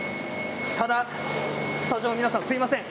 ただスタジオの皆さんすみません